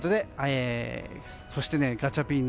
そして、ガチャピン。